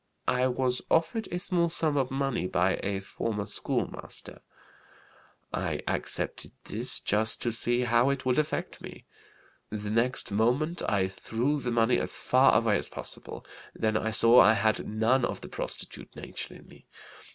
I was offered a small sum of money by a former schoolmaster. I accepted this just to see how it would affect me. The next moment I threw the money as far away as possible. Then I saw I had none of the prostitute nature in me.